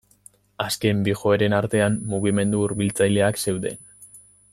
Azken bi joeren artean, mugimendu hurbiltzaileak zeuden.